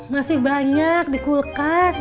masih banyak di kulkas